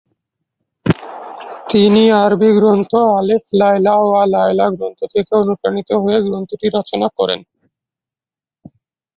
তিনি আরবি গ্রন্থ আলেফ-লায়লা ওয়া লায়লা গ্রন্থ থেকে অনুপ্রাণিত হয়ে গ্রন্থটি রচনা করেন।